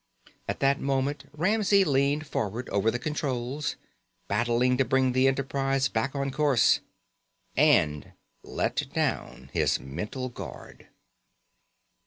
At that moment Ramsey leaned forward over the controls, battling to bring the Enterprise back on course. And let down his mental guard.